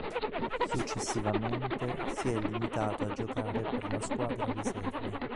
Successivamente, si è limitato a giocare per la squadra riserve.